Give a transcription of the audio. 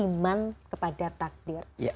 iman kepada takdir